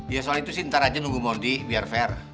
ya soal itu sih ntar aja nunggu mondi biar fair